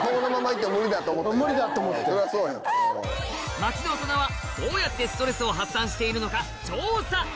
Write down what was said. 街のオトナはどうやってストレスを発散しているのか調査！